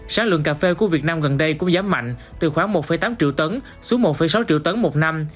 sáng lượng cà phê của việt nam gần đây cũng giá mạnh từ khoảng một tám triệu tấn xuống một sáu triệu tấn một năm